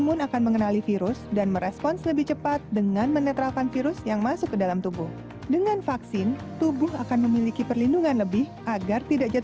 dan saya masih bersama dengan ketiga narasumber yang luar biasa